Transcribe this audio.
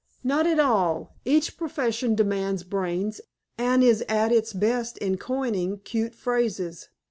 "Not at all. Each profession demands brains, and is at its best in coining cute phrases.